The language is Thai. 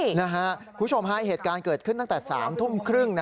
คุณผู้ชมฮะเหตุการณ์เกิดขึ้นตั้งแต่๓ทุ่มครึ่ง